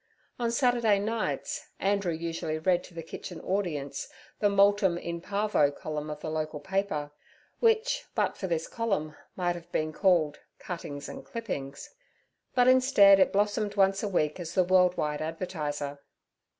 On Saturday nights Andrew usually read to the kitchen audience the 'Multum in parvo' column of the local paper, which but for this column might have been called Cuttings and Clippings; but instead it blossomed once a week as the World wide Advertiser.